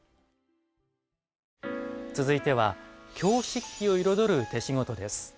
続いては京漆器を彩る手しごとです。